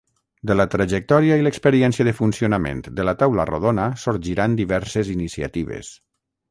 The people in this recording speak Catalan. De la trajectòria i l'experiència de funcionament de La Taula Rodona sorgiran diverses iniciatives.